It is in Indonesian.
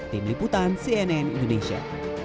tim liputan cnn indonesia